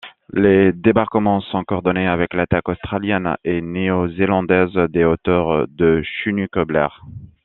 Les débarquements sont coordonnés avec l'attaque australienne et néo-zélandaise des hauteurs de Chunuk Blair.